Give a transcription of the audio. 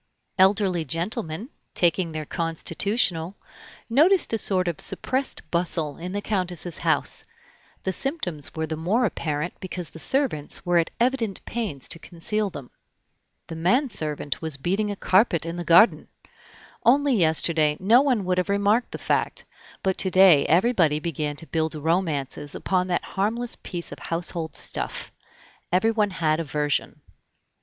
Elderly gentlemen, taking their constitutional, noticed a sort of suppressed bustle in the Countess's house; the symptoms were the more apparent because the servants were at evident pains to conceal them. The man servant was beating a carpet in the garden. Only yesterday no one would have remarked the fact, but to day everybody began to build romances upon that harmless piece of household stuff. Everyone had a version.